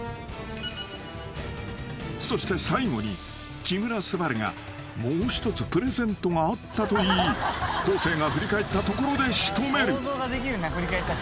［そして最後に木村昴がもう一つプレゼントがあったと言い昴生が振り返ったところで仕留める］